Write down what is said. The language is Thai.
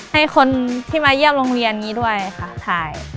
ให้คนที่มาเยี่ยมโรงเรียนนี้ด้วยค่ะถ่าย